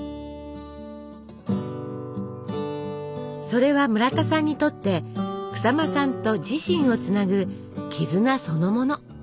それは村田さんにとって日馬さんと自身をつなぐ絆そのもの。